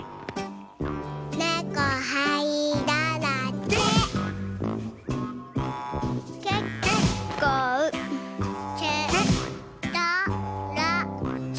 ねこはいだらけ。